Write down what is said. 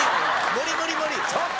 無理無理無理！